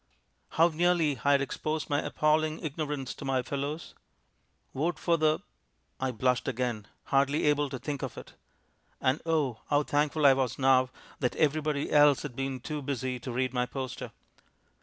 How nearly I had exposed my appalling ignorance to my fellows! "Vote for the "; I blushed again, hardly able to think of it. And oh! how thankful I was now that everybody else had been too busy to read my poster.